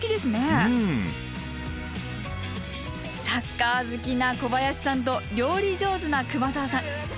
サッカー好きな小林さんと料理上手な熊澤さん。